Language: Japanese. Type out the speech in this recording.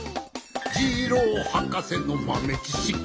「ジローはかせのまめちしき」